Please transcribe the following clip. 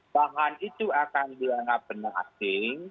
bahan itu akan dianggap benang asing